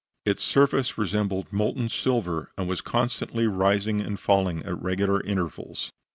Its surface resembled molten silver, and was constantly rising and falling at regular intervals.